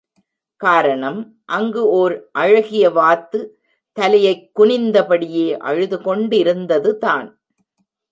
காரணம், அங்கு ஓர் அழகிய வாத்து தலையைக் குனிந்தபடியே அழுதுகொண்டிருந்தது தான்!